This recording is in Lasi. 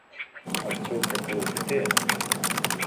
اچو ڪپڙو ڪٿي ا